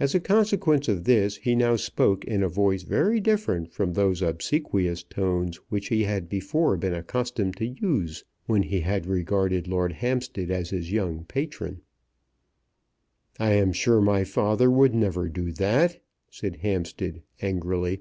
As a consequence of this, he now spoke in a voice very different from those obsequious tones which he had before been accustomed to use when he had regarded Lord Hampstead as his young patron. "I am sure my father would never do that," said Hampstead, angrily.